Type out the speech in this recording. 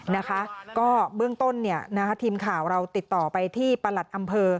นะคะก็เบื้องต้นเนี่ยนะคะทีมข่าวเราติดต่อไปที่ประหลัดอำเภอ